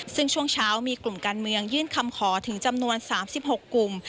ซึ่งช่วงเช้ามีกลุ่มการเมืองยื่นคำขอถึงจำนวน๓๖กลุ่ม